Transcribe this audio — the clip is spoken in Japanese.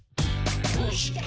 「どうして？